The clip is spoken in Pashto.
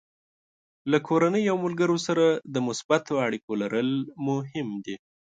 له کورنۍ او ملګرو سره د مثبتو اړیکو لرل مهم دي.